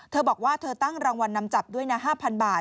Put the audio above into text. เธอบอกว่าเธอตั้งรางวัลนำจับด้วยนะ๕๐๐บาท